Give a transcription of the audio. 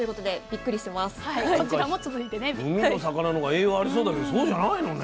なんか海の魚の方が栄養ありそうだけどそうじゃないのね。